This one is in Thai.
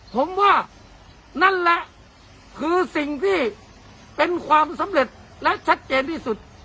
ผมว่านั่นแหละคือสิ่งที่เป็นความสำเร็จและชัดเจนที่สุด